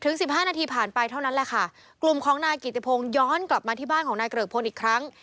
สิบห้านาทีผ่านไปเท่านั้นแหละค่ะกลุ่มของนายกิติพงศ์ย้อนกลับมาที่บ้านของนายเกริกพลอีกครั้ง